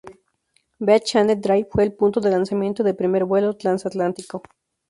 Beach Channel Drive fue el punto de lanzamiento d primer vuelo transatlántico.